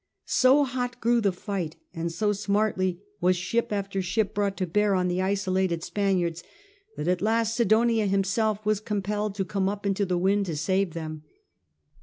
So hot grew the fight, and so smartly was ship after ship brought to bear on the isolated Spaniards, that at last Sidonia himself was compelled to come up into the wind to save them.